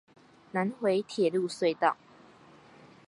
南迴鐵路隧道